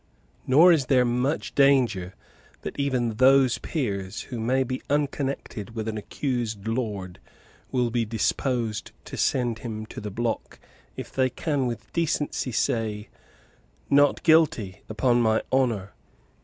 Nor is there much danger that even those peers who may be unconnected with an accused lord will be disposed to send him to the block if they can with decency say 'Not Guilty, upon my honour.'